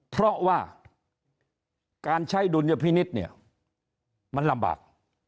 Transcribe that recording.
เพราะว่าการใช้ดุลยภินิทมันลำบาก